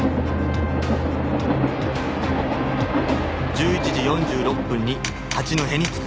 １１時４６分に八戸に着く